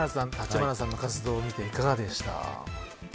谷原さん、橘さんの活動を見ていかがでしたか。